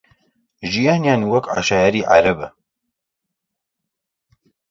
ژیانیان وەک عەشایری عەرەبە